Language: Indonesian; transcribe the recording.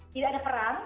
tidak ada perang